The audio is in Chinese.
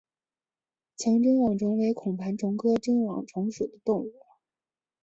强针网虫为孔盘虫科针网虫属的动物。